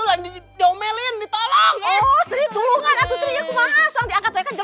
kenapa selalu aja mau tau urusan orang